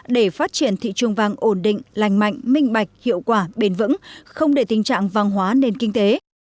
để phát triển thị trường vàng ổn định lành mạnh minh bạch hiệu quả bền vững không để tình trạng vàng hóa nền kinh tế